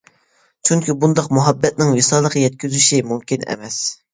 چۈنكى، بۇنداق مۇھەببەتنىڭ ۋىسالىغا يەتكۈزۈشى مۇمكىن ئەمەس.